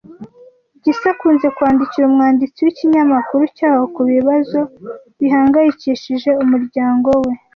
Gisa akunze kwandikira umwanditsi w'ikinyamakuru cyaho ku bibazo bihangayikishije umuryango we.